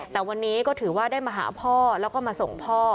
แต่วันนี้ก็ถือว่าได้มาหาพ่อแล้วก็มาส่งพ่อ